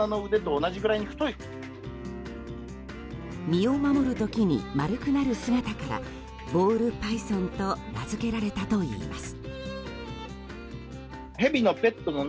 身を守る時に丸くなる姿からボールパイソンと名付けられたといいます。